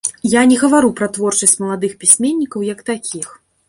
Я не гавару пра творчасць маладых пісьменнікаў як такіх.